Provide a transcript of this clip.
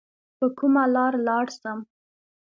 په کومه لار لاړ سم؟